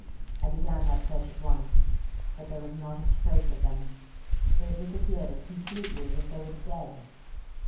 I began that search at once. But there was not a trace of them they had disappeared as completely as if they were dead.